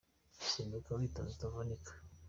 Simbuka witonze utavunika.